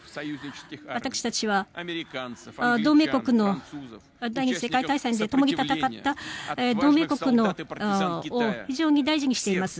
私たちは第２次世界大戦で共に戦った同盟国を非常に大事にしています。